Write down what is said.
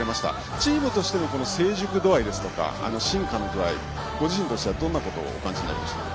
チームとしての成熟度合いや進化の度合いはご自身としてはどんなことを感じられましたか？